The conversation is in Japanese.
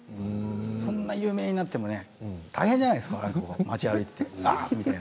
そんな有名になってもね大変じゃないですか街を歩いていて。